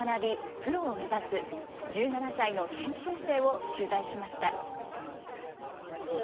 プロを目指す１７歳の研修生を取材しました。